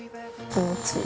気持ちいい。